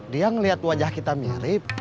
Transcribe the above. dia melihat wajah kita mirip